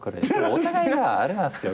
お互いがあれなんすよ